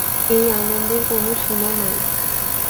এই আনন্দের কোনো সীমা নাই!